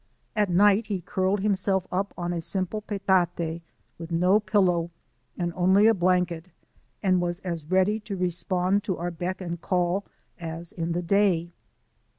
At night he curled himself up on a simple /r/d/c with no pillow and only a blanket, and was as ready to respond to our beck and call as in the day.